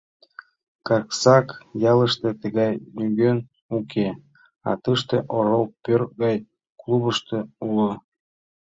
Карсак ялыште тыгай нигӧн уке, а тыште, орол пӧрт гай клубышто, уло.